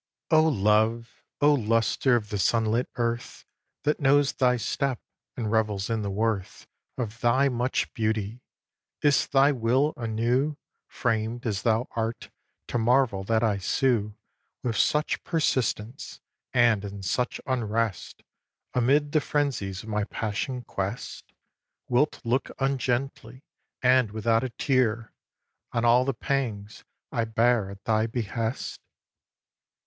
O Love! O Lustre of the sunlit earth That knows thy step and revels in the worth Of thy much beauty! Is't thy will anew, Famed as thou art, to marvel that I sue With such persistence, and in such unrest Amid the frenzies of my passion quest? Wilt look ungently, and without a tear, On all the pangs I bear at thy behest?